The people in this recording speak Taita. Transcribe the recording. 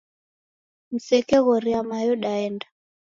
Msekeghoria mayo daenda.